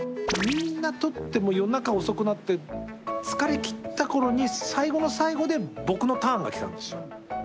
みんな撮ってもう夜中遅くなって疲れ切った頃に最後の最後で僕のターンが来たんですよ。